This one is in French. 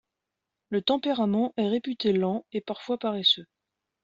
Le tempérament est réputé lent, et parfois paresseux.